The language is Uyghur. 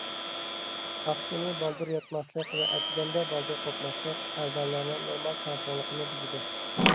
ئاخشىمى بالدۇر ياتماسلىق ۋە ئەتىگەندە بالدۇر قوپماسلىق ئەزالارنىڭ نورمال تەڭپۇڭلۇقىنى بۇزىدۇ.